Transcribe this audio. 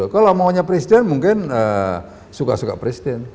kalau maunya presiden mungkin suka suka presiden